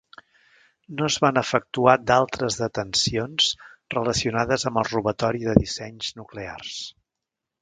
No es van efectuar d'altres detencions relacionades amb el robatori de dissenys nuclears.